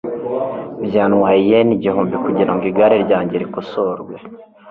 Byantwaye yen igihumbi kugirango igare ryanjye rikosorwe.